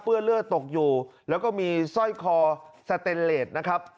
เลือดเลือดตกอยู่แล้วก็มีสร้อยคอสเตนเลสนะครับ